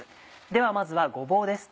ではまずはごぼうです。